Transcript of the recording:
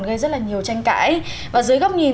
gây rất nhiều tranh cãi và dưới góc nhìn